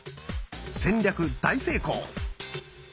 戦略大成功！